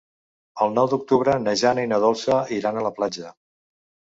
El nou d'octubre na Jana i na Dolça iran a la platja.